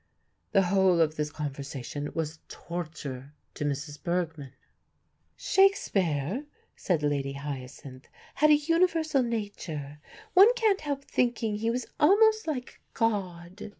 The whole of this conversation was torture to Mrs. Bergmann. "Shakespeare," said Lady Hyacinth, "had a universal nature; one can't help thinking he was almost like God."